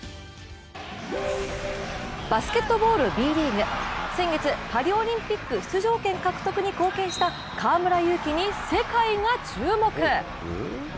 バスケットボールＢリーグ、先月、パリオリンピック出場権獲得に貢献した河村勇輝に世界が注目。